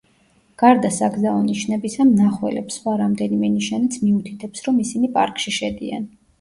გარდა საგზაო ნიშნებისა, მნახველებს სხვა რამდენიმე ნიშანიც მიუთითებს, რომ ისინი პარკში შედიან.